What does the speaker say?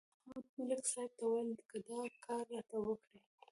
احمد ملک صاحب ته ویل: که دا کار راته وکړې.